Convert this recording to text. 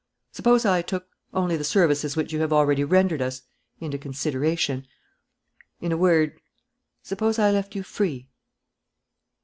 Suppose I took only the services which you have already rendered us into consideration? In a word, suppose I left you free?"